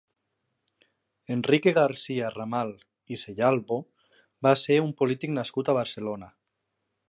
Enrique García-Ramal i Cellalbo va ser un polític nascut a Barcelona.